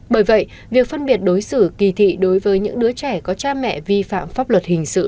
bởi vậy việc phân biệt đối xử kỳ thị đối với những đứa trẻ có cha mẹ vi phạm pháp luật hình sự